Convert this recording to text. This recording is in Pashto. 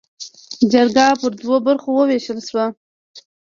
جرګه پر دوو برخو ووېشل شوه.